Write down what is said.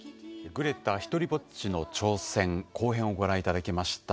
「グレタひとりぼっちの挑戦」後編をご覧いただきました。